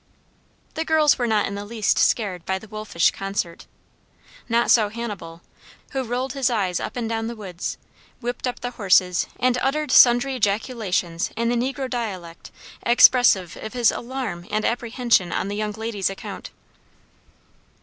The girls were not in the least scared by the wolfish concert. Not so Hannibal, who rolled his eyes up and down the woods, whipped up the horses, and uttered sundry ejaculations in the negro dialect expressive of his alarm and apprehension on the young ladies' account.